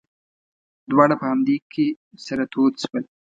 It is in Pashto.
دواړه په همدې کې سره تود شول.